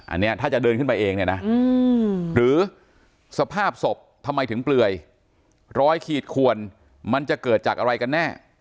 อันนี้ถ้าจะเดินขึ้นไปเองเนี่ยนะหรือสภาพศพทำไมถึงเปลื่อยรอยขีดขวนมันจะเกิดจากอะไรกันแน่